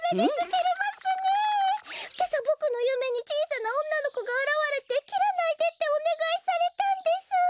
けさボクのゆめにちいさなおんなのこがあらわれて「きらないで」っておねがいされたんです。